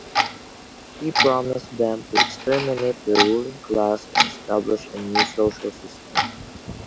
He promised them to exterminate the ruling class and establish a new social system.